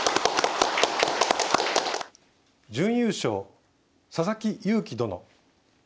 「準優勝佐々木勇気殿」。